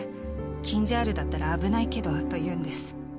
キンジャールだったら危ないけどと言うんです。